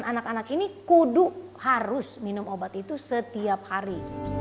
anak anak ini kudu harus minum obat itu setiap hari